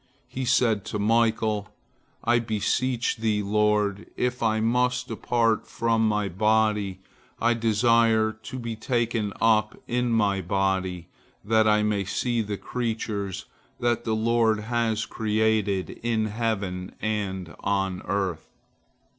He said to Michael: "I beseech thee, lord, if I must depart from my body, I desire to be taken up in my body, that I may see the creatures that the Lord has created in heaven and on earth."